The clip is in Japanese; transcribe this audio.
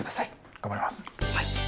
頑張ります。